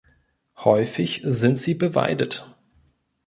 Häufig sind sie beweidet.